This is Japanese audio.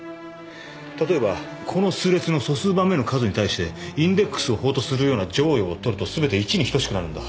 例えばこの数列の素数番目の数に対してインデックスをフォートするような剰余をとるとすべて１に等しくなるんだ。